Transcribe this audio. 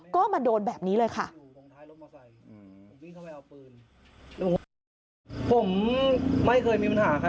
ก็มาโดนแบบนี้เลยค่ะ